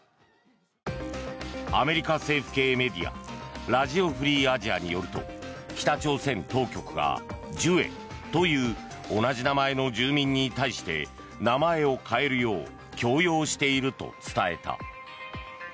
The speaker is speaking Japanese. アメリカ政府系メディアラジオ・フリー・アジアによると北朝鮮当局が、ジュエという同じ名前の住民に対して名前を変えるよう強要していると伝えた。